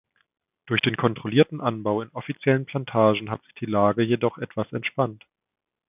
Durch den kontrollierten Anbau in offiziellen Plantagen hat sich die Lage jedoch etwas entspannt.